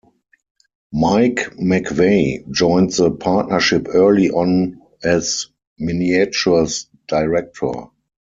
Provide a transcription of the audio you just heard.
Mike McVey joined the partnership early on as Miniatures Director.